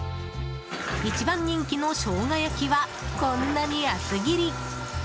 一番人気のショウガ焼きはこんなに厚切り。